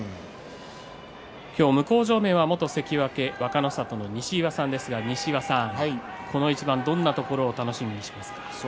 向正面は元関脇若の里の西岩さんですが西岩さんはどんなところを楽しみにしますか。